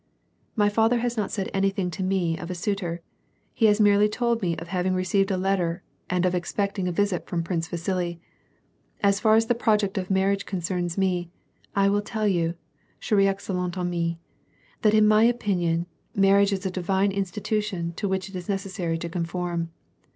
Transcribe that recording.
My father has not said anything to me of a suitor ; he has merely told me of having received a letter and of expecting a visit from Prince Vasili. As far as the project of marriage concerns me, I will tell you chere et excellente amie, that in my opinion, marriage is a divine institution to which it is necessary to conform.